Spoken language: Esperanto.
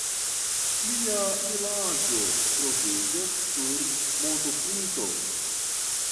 Mia vilaĝo troviĝas sur montopinto.